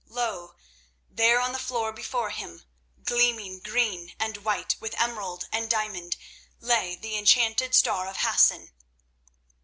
Lo! there on the floor before him, gleaming green and white with emerald and diamond, lay the enchanted Star of Hassan.